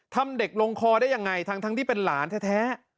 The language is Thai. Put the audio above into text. ทำเด็กลงคอได้ยังไงทั้งที่เป็นหลานแท้